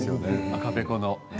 赤べこの。